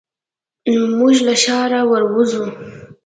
موږ له ښاره ور وځو.